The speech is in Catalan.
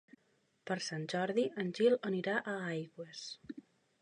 Per Sant Jordi en Gil anirà a Aigües.